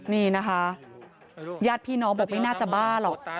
นี่นะคะญาติพี่น้องบอกไม่น่าจะบ้าหรอก